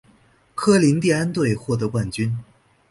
科林蒂安队获得冠军。